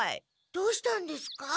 どうしたんですか？